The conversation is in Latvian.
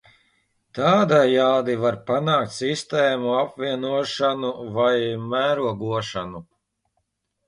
Tādējādi var panākt sistēmu apvienošanu vai mērogošanu.